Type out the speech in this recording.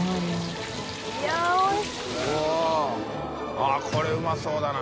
◆舛これうまそうだな。